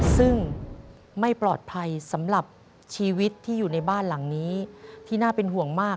ซึ่งไม่ปลอดภัยสำหรับชีวิตที่อยู่ในบ้านหลังนี้ที่น่าเป็นห่วงมาก